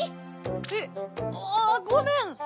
えっ？わっごめん！